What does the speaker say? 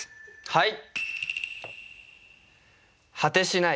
はい！